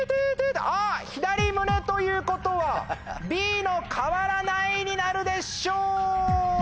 あっ左胸ということはＢの「変わらない」になるでしょう！